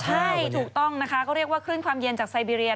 ใช่ถูกต้องนะคะก็เรียกว่าคลื่นความเย็นจากไซเบีเรีย